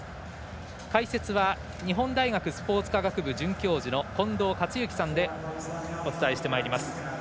解説は日本大学スポーツ科学部准教授の近藤克之さんでお伝えしてまいります。